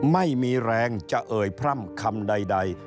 ไม่มีแรงจะเอ่ยพร่ำคำใด